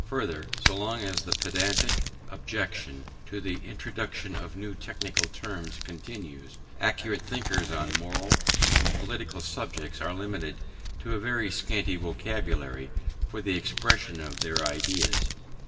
Further, so long as the pedantic objection to the introduction of new technical terms continues, accurate thinkers on moral and political subjects are limited to a very scanty vocabulary for the expression of their ideas.